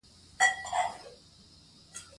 لیکوال باید د ټولنې اړتیاو ته پام وکړي.